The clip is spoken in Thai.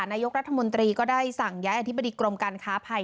นายกรัฐมนตรีก็ได้สั่งย้ายอธิบดีกรมการค้าภัย